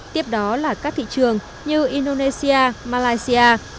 tiếp đó là các thị trường như indonesia malaysia